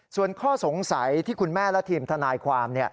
ส่วนข้อสงสัยที่คุณแม่และทีมทนายความ